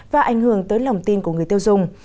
và ảnh hưởng tới lòng tin của người tiêu dùng